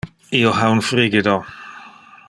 Io ha un frigido.